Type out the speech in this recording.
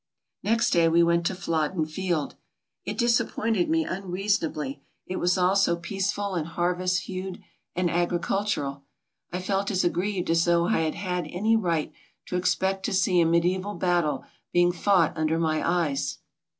Next day we went to Flodden Field. It disappointed me D,i„Mb, Google unreasonably, it was all so peaceful, and harvest hued, and agricultural. I felt as aggrieved as though I had had any right to expect to see a mediaeval batde being fought under my eyes.